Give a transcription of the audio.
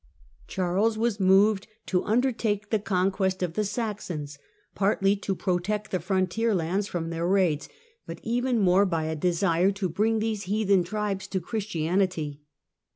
Charles was moved to undertake the conquest of the Saxons partly to protect the frontier lands from their raids, but even more by a desire to bring these heathen tribes to Christianity.